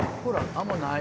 あんまない。